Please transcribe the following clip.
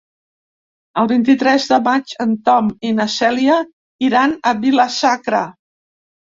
El vint-i-tres de maig en Tom i na Cèlia iran a Vila-sacra.